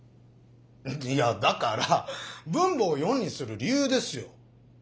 いやだから分母を４にする理由ですよ！